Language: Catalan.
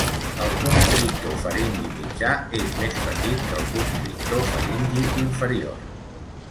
El constrictor faringi mitjà és més petit que el constrictor faringi inferior.